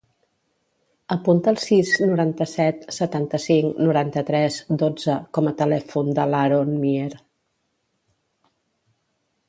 Apunta el sis, noranta-set, setanta-cinc, noranta-tres, dotze com a telèfon de l'Haron Mier.